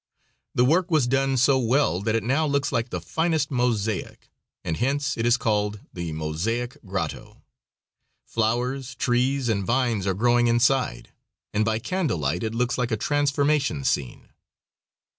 The work was done so well that it now looks like the finest mosaic, and hence it is called the Mosaic Grotto. Flowers, trees and vines are growing inside, and by candle light it looks like a transformation scene.